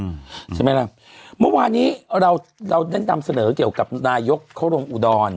ใช่ไหมล่ะเมื่อวานี้เราเราได้นำเสนอเกี่ยวกับนายกเขาลงอุดร